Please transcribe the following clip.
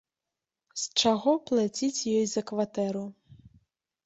З чаго плаціць ёй за кватэру.